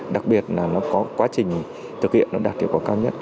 đặc biệt là nó có quá trình thực hiện nó đạt hiệu quả cao nhất